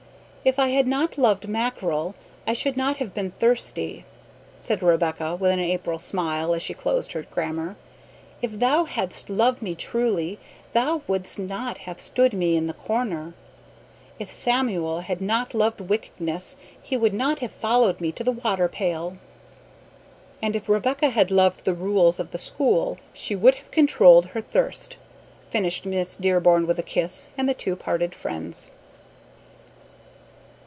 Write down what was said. "If I had not loved mackerel I should not have been thirsty;" said Rebecca with an April smile, as she closed her grammar. "If thou hadst loved me truly thou wouldst not have stood me up in the corner. If Samuel had not loved wickedness he would not have followed me to the water pail." "And if Rebecca had loved the rules of the school she would have controlled her thirst," finished Miss Dearborn with a kiss, and the two parted friends.